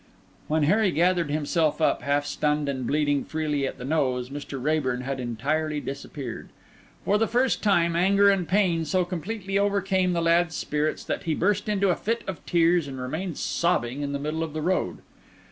When Harry gathered himself up, half stunned and bleeding freely at the nose, Mr. Raeburn had entirely disappeared. For the first time, anger and pain so completely overcame the lad's spirits that he burst into a fit of tears and remained sobbing in the middle of the road.